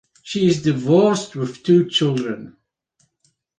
She is divorced with two children.